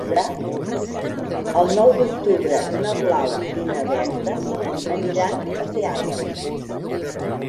El nou d'octubre na Blau i na Berta aniran al teatre.